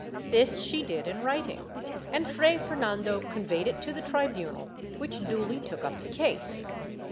This she did in vrriting, and Fray Fernando conve3^ed it to the tribunal, which duly took up the case.